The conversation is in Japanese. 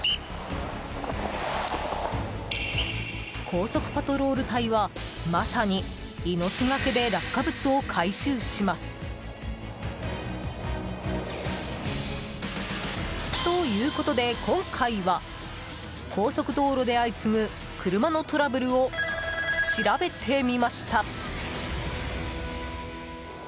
高速パトロール隊は、まさに命がけで落下物を回収します。ということで今回は高速道路で相次ぐ車のトラブルを調べてみました。